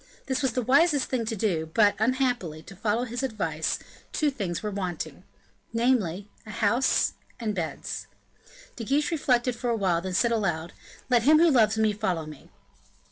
This was the wisest thing to do, but, unhappily, to follow his advice, two things were wanting; namely, a house and beds. De Guiche reflected for awhile, and then said aloud, "Let him who loves me, follow me!"